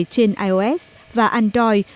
trên ios và android